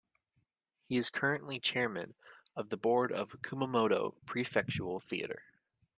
He is currently Chairman of the Board of Kumamoto Prefectural Theatre.